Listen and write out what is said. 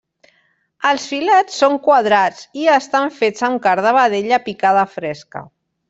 Els filets són quadrats i estan fets amb carn de vedella picada fresca.